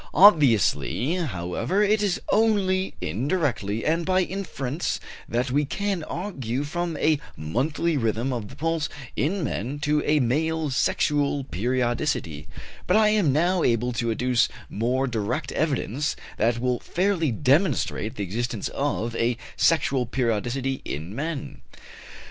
Obviously, however, it is only indirectly and by inference that we can argue from a monthly rhythm of the pulse in men to a male sexual periodicity; but I am now able to adduce more direct evidence that will fairly demonstrate the existence of a sexual periodicity in men.